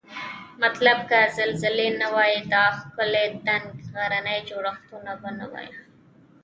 مطلب که زلزلې نه وای دا ښکلي دنګ غرني جوړښتونه به نوای